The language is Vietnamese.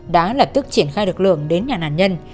đã lập tức triển khai lực lượng đến nhà nạn nhân